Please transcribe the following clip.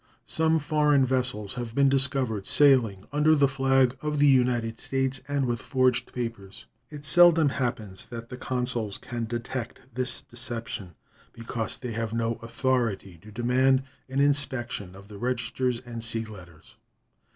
Some foreign vessels have been discovered sailing under the flag of the United States and with forged papers. It seldom happens that the consuls can detect this deception, because they have no authority to demand an inspection of the registers and sea letters.